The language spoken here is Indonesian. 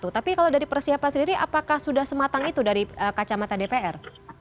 tapi kalau dari persiapan sendiri apakah sudah sematang itu dari kacamata dpr